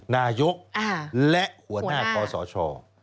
นายกและหัวหน้าคอสช